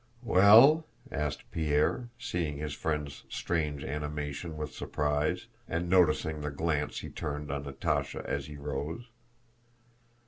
"Well?" asked Pierre, seeing his friend's strange animation with surprise, and noticing the glance he turned on Natásha as he rose.